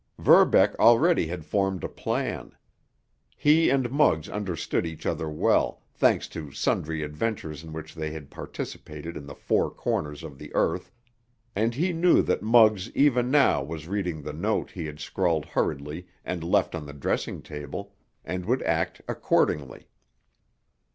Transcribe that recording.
Verbeck already had formed a plan. He and Muggs understood each other well, thanks to sundry adventures in which they had participated in the four corners of the earth, and he knew that Muggs even now was reading the note he had scrawled hurriedly and left on the dressing table, and would act accordingly.